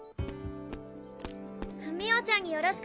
美桜ちゃんによろしくね。